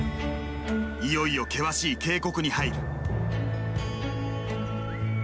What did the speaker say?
いよいよ険しい渓谷に入る。